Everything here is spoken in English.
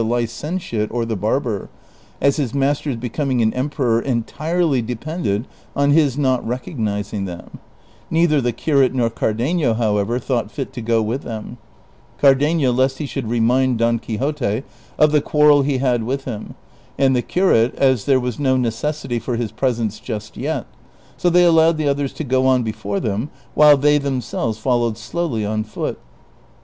241 licentiate or the barber, as his master's bccoiuiug an emperor entirely depended on his not recognizing them; neither the curate nor Cardenio, however, thought tit to go with them ; Cardenio lest he should remind Don Quixote of the quarrel he had with him, and the curate as there was no necessity for Ids presence just yet, so they allowed the others to go on before them, while they themselves followed slowly on foot.